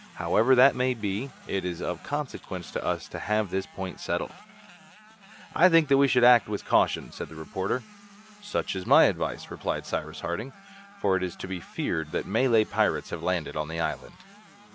However that may be, it is of consequence to us to have this point settled." "I think that we should act with caution," said the reporter. "Such is my advice," replied Cyrus Harding, "for it is to be feared that Malay pirates have landed on the island!"